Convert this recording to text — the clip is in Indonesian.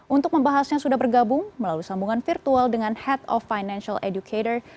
untuk membahasnya sudah bergabung melalui sambungan virtual dengan head of financial educator